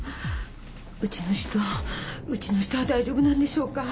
うちの人うちの人は大丈夫なんでしょうか？